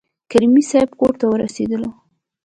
کریمي صیب کورته ورسېدلو.